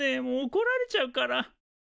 もうおこられちゃうから。